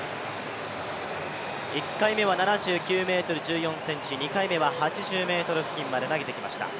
１回目は７９ｍ１４ｃｍ、２回目は８０ｍ付近まで投げてきました。